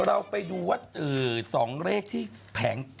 เราไปดูว่า๒เลขที่แผง